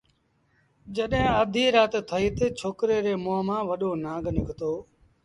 جڏهيݩ آڌيٚ رآت ٿئيٚ تا ڇوڪريٚ ري مݩهݩ مآݩ وڏو نکتو